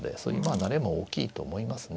慣れも大きいと思いますね。